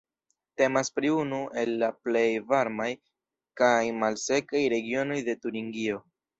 Temas pri unu el la plej varmaj kaj malsekaj regionoj de Turingio.